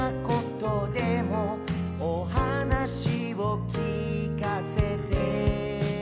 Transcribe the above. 「おはなしをきかせて」